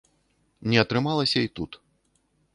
Не атрымалася і тут.